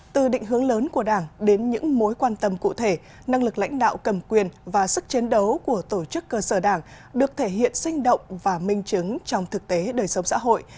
từ định hướng lớn của đảng đến những mối quan tâm cụ thể năng lực lãnh đạo cầm quyền và sức chiến đấu của tổ chức cơ sở đảng được thể hiện sinh động và minh chứng trong thực tế đời sống xã hội